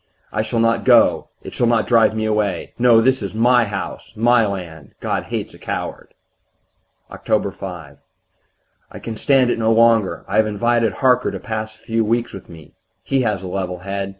I shall not go it shall not drive me away. No, this is my house, my land. God hates a coward.... "Oct. 5. I can stand it no longer; I have invited Harker to pass a few weeks with me he has a level head.